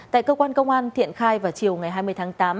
tại cơ quan công an thiện khai vào chiều ngày hai mươi tháng tám